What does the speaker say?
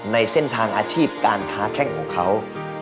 ในเส้นทางอาชีพการค้าแข้งของเขา